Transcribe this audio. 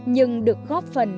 nhưng được góp phần